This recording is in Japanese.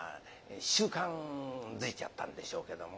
習慣づいちゃったんでしょうけども。